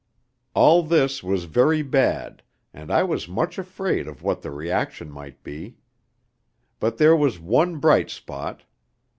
All this was very bad, and I was much afraid of what the reaction might be. But there was one bright spot.